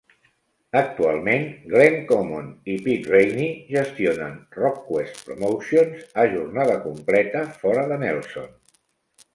Actualment, Glenn Common i Pete Rainey gestionen Rockquest Promotions a jornada completa fora de Nelson.